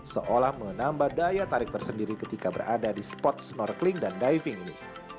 seolah menambah daya tarik tersendiri ketika berada di spot snorkeling dan diving ini